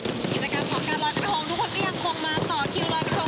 กิจกรรมของการลอยกระทงทุกคนก็ยังคงมาต่อคิวลอยไปชม